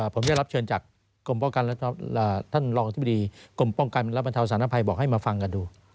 ผมได้รับเชิญจากกรมป้องการรับบรรทาวสารน้ำไพรบอกให้มาฟังกันดู